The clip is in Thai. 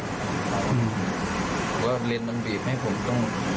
เพราะว่าเลนส์มันบีบให้ผมต้อง